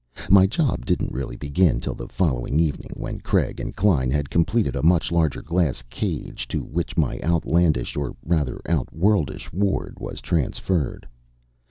My job didn't really begin till the following evening, when Craig and Klein had completed a much larger glass cage, to which my outlandish or, rather, outworldish ward was transferred.